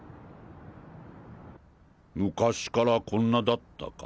昔からこんなだったか？